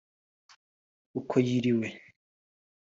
uko yiriwe